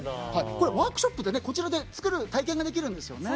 ワークショップでこちらで作る体験ができるんですよね。